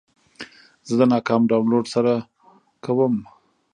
زه د ناکام ډاونلوډ له سره کوم.